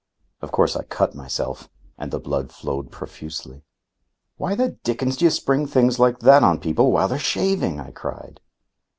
Of course I cut myself and the blood flowed profusely. "Why the dickens do you spring things like that on people while they're shaving?" I cried.